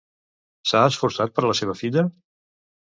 S'ha esforçat per la seva filla?